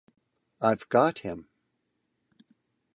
I've got him!